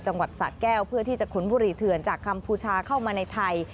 จังหวัดสะแก้วเพื่อที่จะขนบุรีเถื่อนจากกัมพูชาเข้ามาในไทย